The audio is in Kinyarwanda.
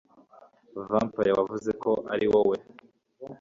Vampire wavuze ko ariwowe